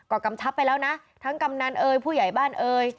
ก็กำชับไปแล้วนะทั้งกำนันเอ่ยผู้ใหญ่บ้านเอ่ย